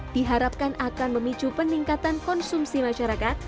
diharapkan akan memicu peningkatan konsumsi masyarakat